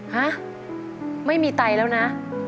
ฮะไม่มีไตแล้วนะ